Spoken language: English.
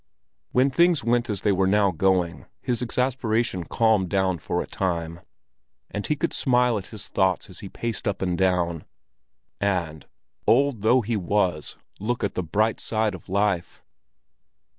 When things went as they were now going, his exasperation calmed down for a time, and he could smile at his thoughts as he paced up and down, and, old though he was, look at the bright side of life.